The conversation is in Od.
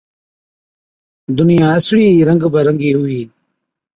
دُنِيا اُسڙِي ئي رنگ بہ رنگِي هُوِي۔